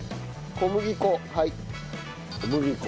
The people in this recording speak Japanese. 小麦粉。